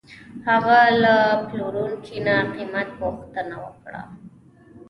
هغه له پلورونکي نه قیمت پوښتنه وکړه.